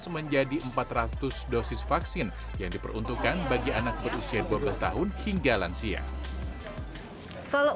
menjadi empat ratus dosis vaksin yang diperuntukkan bagi anak berusia dua belas tahun hingga lansia kalau